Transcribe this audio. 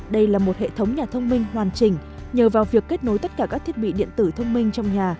đây là một hệ thống nhà thông minh hoàn chỉnh nhờ vào việc kết nối tất cả các thiết bị điện tử thông minh trong nhà